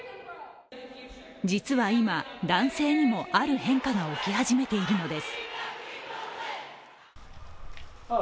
実は今、男性にも、ある変化が起き始めているのです。